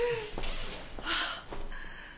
ああ。